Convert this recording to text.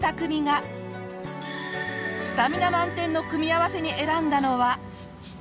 スタミナ満点の組み合わせに選んだのは。